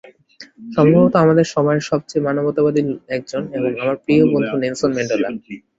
সম্ভবত আমাদের সময়ের সবচেয়ে মানবতাবাদী একজন এবং আমার প্রিয় বন্ধু নেলসন ম্যান্ডেলা।